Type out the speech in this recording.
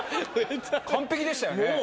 完璧でしたよね。